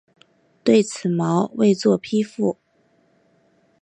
对此毛未作批复。